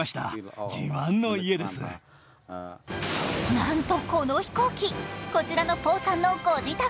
なんとこの飛行機、こちらのポーさんのご自宅。